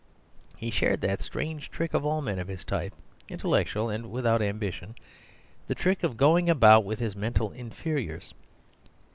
He shared that strange trick of all men of his type, intellectual and without ambition—the trick of going about with his mental inferiors.